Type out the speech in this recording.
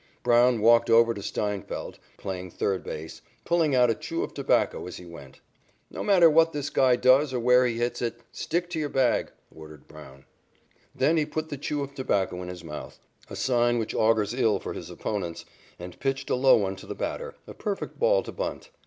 Brown walked over to Steinfeldt, playing third base, pulling out a chew of tobacco as he went. "No matter what this guy does or where he hits it, stick to your bag," ordered Brown. Then he put the chew of tobacco in his mouth, a sign which augurs ill for his opponents, and pitched a low one to the batter, a perfect ball to bunt.